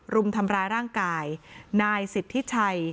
รุมทำร้ายร่างกายนายสิทธิชัย